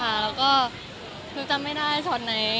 แล้วก็คือจำไม่ได้ช็อตไหน